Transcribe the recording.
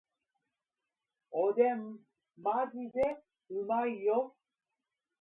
おでんマジでうまいよ